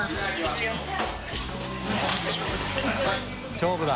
勝負だ！